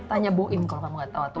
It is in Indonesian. tanya bu im kalau kamu gak tau